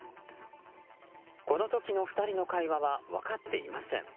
この時の２人の会話は分かっていません。